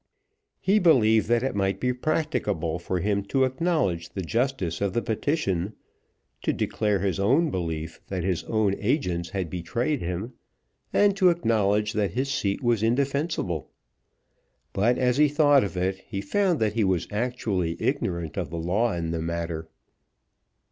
He believed that it might be practicable for him to acknowledge the justice of the petition, to declare his belief that his own agents had betrayed him, and to acknowledge that his seat was indefensible. But, as he thought of it, he found that he was actually ignorant of the law in the matter.